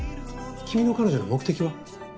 君の彼女の目的は？